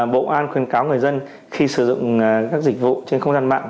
bộ công an khuyên cáo người dân khi sử dụng các dịch vụ trên không gian mạng